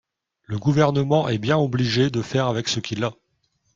Le Gouvernement est bien obligé de faire avec ce qu’il a.